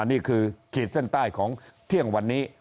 อันนี้คือขีดเส้นใต้ของเที่ยงวันนี้